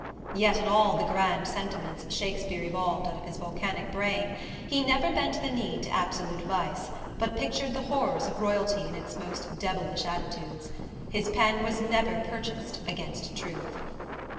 Yet in all the grand sentiments Shakspere evolved out of his volcanic brain, he never bent the knee to absolute vice, but pictured the horrors of royalty in its most devilish attitudes. His pen was never purchased against truth.